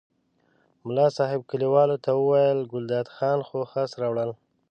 ملا صاحب کلیوالو ته وویل ګلداد خان خو خس راوړل.